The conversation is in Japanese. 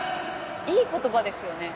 いい言葉ですよね